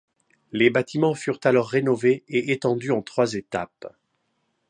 Les bâtiments furent alors rénovés et étendus en trois étapes.